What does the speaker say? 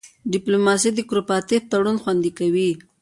ډیپلوماسي د کوپراتیف تړون خوندي کوي